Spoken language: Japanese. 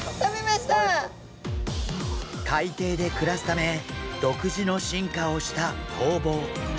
海底で暮らすため独自の進化をしたホウボウ。